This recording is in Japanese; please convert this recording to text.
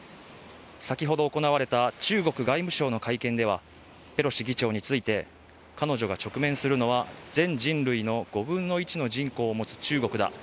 先ほど行われた中国外務省の会見ではペロシ議長について、彼女が直面するのは全人類の５分の１をもつ人口の中国だ。